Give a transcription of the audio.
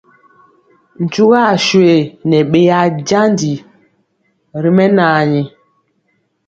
Ntugaswe nɛ ɓeyaa janji ri mɛnaani.